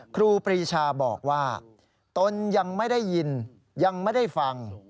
ครูปรีชาบอกว่าตนยังไม่ได้ยินยังไม่ได้ฟัง